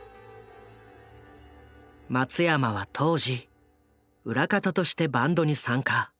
松山は当時裏方としてバンドに参加。